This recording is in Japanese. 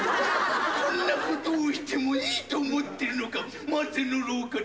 こんなことをしてもいいと思ってるのか松の廊下で。